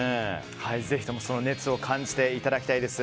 ぜひとも、その熱を感じていただきたいです。